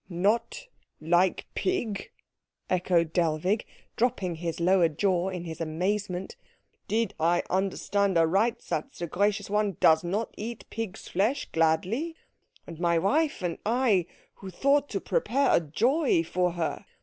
"Not like pig?" echoed Dellwig, dropping his lower jaw in his amazement. "Did I understand aright that the gracious one does not eat pig's flesh gladly? And my wife and I who thought to prepare a joy for her!"